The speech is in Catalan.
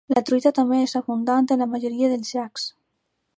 La truita també és abundant en la majoria dels llacs.